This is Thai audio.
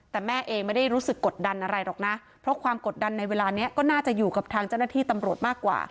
แต่แม่เองไม่ได้รู้สึกกดดันอะไรหรอกนะเพราะความกดดันในเวลานี้ก็น่าจะอยู่กับทางเจ้าหน้าที่ตำรวจมากกว่า